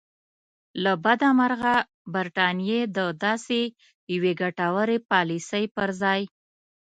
له بده مرغه برټانیې د داسې یوې ګټورې پالیسۍ پر ځای.